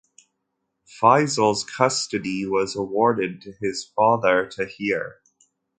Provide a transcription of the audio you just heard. Faisal's custody was awarded to his father, Tahir.